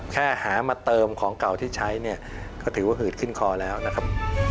แค่หามาเติมของเก่าที่ใช้เนี่ยก็ถือว่าหืดขึ้นคอแล้วนะครับ